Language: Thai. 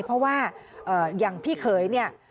เพราะว่าอย่างพี่เขย